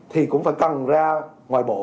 thì cũng phải cần ra ngoài bộ